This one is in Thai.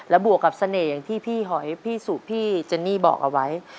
บวกกับเสน่ห์อย่างที่พี่หอยพี่สุพี่เจนนี่บอกเอาไว้